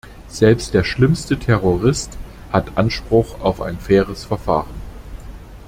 Selbst der schlimmste Terrorist hat Anspruch auf ein faires Verfahren.